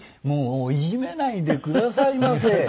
もういじめないでくださいませ。